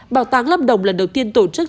bảo tàng lâm đồng lần đầu tiên tổ chức